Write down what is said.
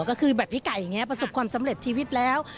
ก็คือแบบพี่ไก่อย่างนี้ประสบความสำเร็จชีวิตแล้ว